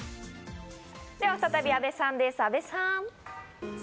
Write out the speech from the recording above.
では再び阿部さんです、阿部さん。